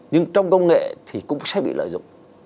nhưng trong công nghệ thì cũng sẽ bị lợi dụng